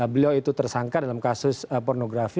beliau itu tersangka dalam kasus pornografi